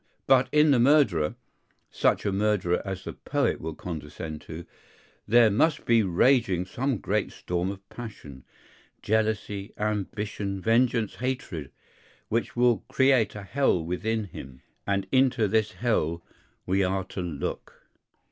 But in the murderer, such a murderer as a poet will condescend to, there must be raging some great storm of passion, jealousy, ambition, vengeance, hatred, which will create a hell within him; and into this hell we are to look.